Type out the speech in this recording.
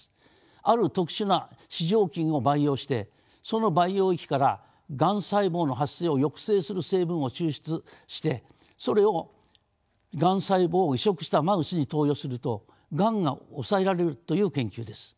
ある特殊な糸状菌を培養してその培養液からがん細胞の発生を抑制する成分を抽出してそれをがん細胞を移植したマウスに投与するとがんが抑えられるという研究です。